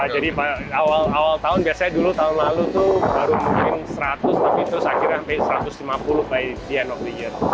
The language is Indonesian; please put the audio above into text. jadi awal awal tahun biasanya dulu tahun lalu tuh baru mungkin seratus tapi terus akhirnya sampai satu ratus lima puluh baik dia